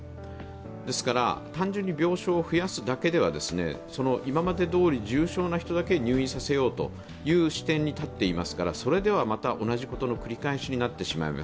ですから、単純に病床を増やすだけでは今までどおり重症な人だけ入院させようという視点に立っていますからそれではまた同じことの繰り返しになってしまいます。